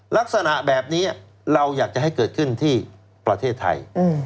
ลักษณะแบบนี้เราอยากจะให้เกิดขึ้นที่ประเทศไทย